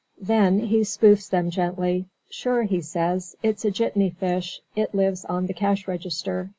Then he spoofs them gently. "Sure," he says, "it's a jitney fish. It lives on the cash register.